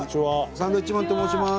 サンドウィッチマンと申します。